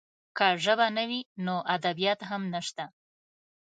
که ژبه نه وي، نو ادبیات هم نشته.